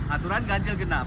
aturan ganjil genap